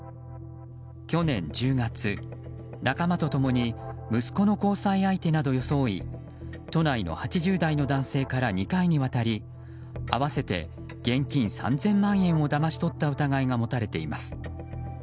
去年１０月、仲間と共に息子の交際相手などを装い都内の８０代の男性から２回にわたり合わせて現金３０００万円をだまし取った疑いが持たれています。